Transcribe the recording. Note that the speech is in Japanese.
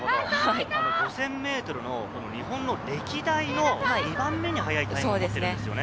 ５０００ｍの日本の歴代２番目に速いタイムを持っているんですよね。